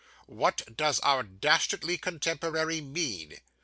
What does our dastardly contemporary mean?